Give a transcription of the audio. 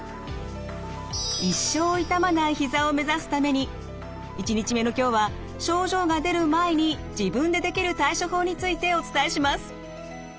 一生痛まないひざを目指すために１日目の今日は症状が出る前に自分でできる対処法についてお伝えします。